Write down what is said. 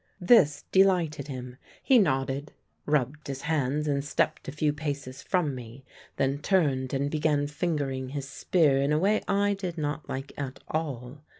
This delighted him; he nodded, rubbed his hands, and stepped a few paces from me, then turned and began fingering his spear in a way I did not like at all.